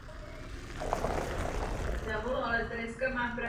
Film získal nominaci na Teen Choice Awards v kategorii nejlepší romantický film.